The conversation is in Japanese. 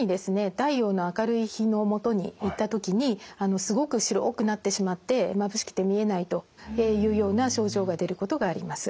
太陽の明るい日のもとに行った時にすごく白くなってしまってまぶしくて見えないというような症状が出ることがあります。